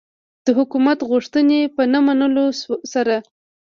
د حکومت غوښتنې په نه منلو سره.